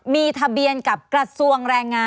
มีทะเบียนกับกระทรวงแรงงาน